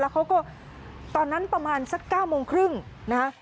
เขาก็ตอนนั้นประมาณสัก๙โมงครึ่งนะคะ